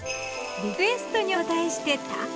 リクエストにお応えしてたこ。